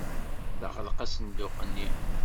Teɣleq asenduq-nni.